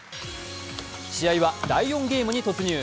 試合は第４ゲームに突入。